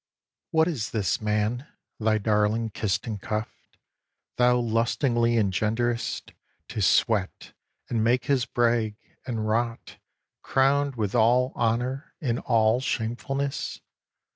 What is this Man, thy darling kissed and cuffed, Thou lustingly engender'st, To sweat, and make his brag, and rot, Crowned with all honour and all shamefulness?